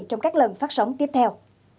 trong các lần phát sóng tiếp theo